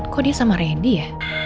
kok dia sama randy ya